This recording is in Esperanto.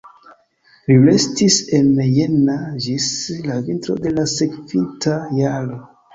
Li restis en Jena ĝis la vintro de la sekvinta jaro.